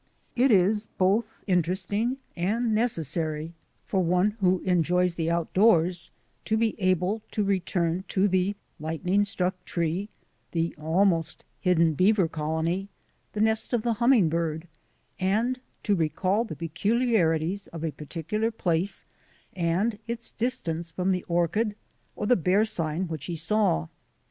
It is both interesting and necessary for one who enjoys the outdoors to be able to return to the lightning struck tree, the almost hidden beaver colony, the nest of the humming bird, and to recall the peculiarities of a particular place and its distance from the orchid or the bear sign which he saw.